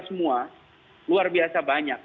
semua luar biasa banyak